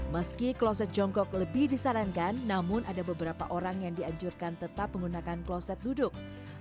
meski kloset jongkok lebih disarankan namun ada beberapa orang yang dianjurkan tetap menggunakan kloset duduk